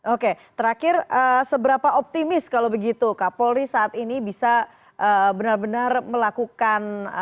oke terakhir seberapa optimis kalau begitu kapolri saat ini bisa benar benar melakukan